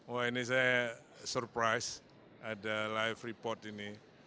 oh ini saya terkejut ada live report ini